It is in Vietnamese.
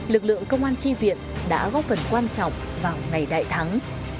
lực lượng công an tri viện đã góp phần quan trọng vào ngày đại thắng